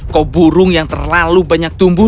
kau burung yang terlalu banyak tumbuh